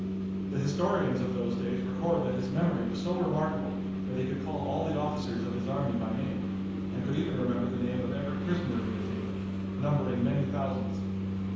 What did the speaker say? The historians of those days record that his memory was so remarkable that he could call all the officers of his army by name, and could even remember the name of every prisoner he had taken, numbering many thousands.